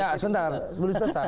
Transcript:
ya sebentar sebelum selesai